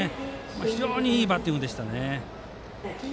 非常にいいバッティングでしたね。